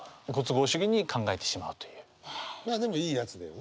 まあでもいいやつだよね。